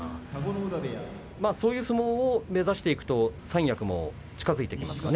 そういう相撲を目指していくと三役も近づいてきますかね。